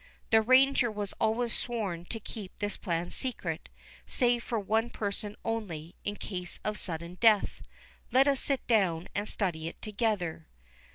The ranger was always sworn to keep this plan secret, save from one person only, in case of sudden death.—Let us sit down and study it together."